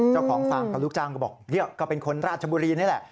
เจ้าของฟาร์มยาวลูกจ้างก็บอกเรียกก็เป็นคนราชบุรีนี้แหละ